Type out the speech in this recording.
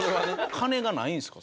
金がないんですか？